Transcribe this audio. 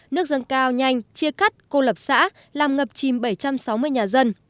nước dâng cao nhanh chia cắt cô lập xã làm ngập chìm bảy trăm sáu mươi nhà dân